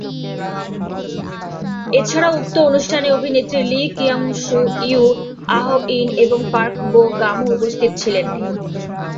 এছাড়াও উক্ত অনুষ্ঠানে অভিনেত্রী লি কিয়াং-সু, ইয়ু আহ-ইন এবং পার্ক বো-গামও উপস্থিত ছিলেন।